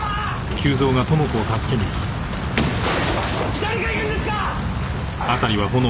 誰かいるんですか？